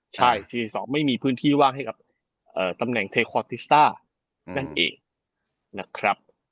แต่๔๒ไม่มีพื้นที่ว่างให้กับตำแหน่งเทควอทิสตาร์